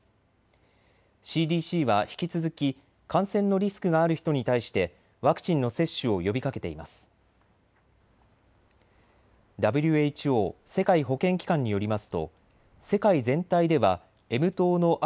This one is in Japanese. ＣＤＣは引き続き感染のリスクがある人に対してワクチンの接種を呼びかけています。